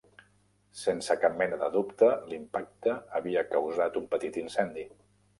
Sense cap mena de dubte l'impacte havia causat un petit incendi.